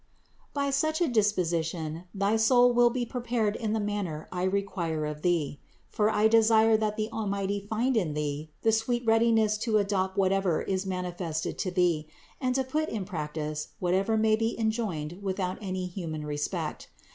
By such a disposition thy soul will be prepared in the manner I require of thee. For I desire that the Almighty find in thee the sweet readiness to adopt what ever is manifested to thee, and to put in practice what ever may be enjoined without any human respect.